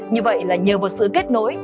như vậy là nhờ vào sự kết nối